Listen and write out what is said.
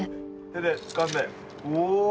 手でつかんでうお！